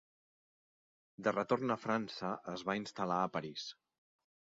De retorn a França, es va instal·lar a París.